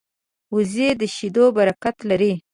وزې د شیدو برکت لري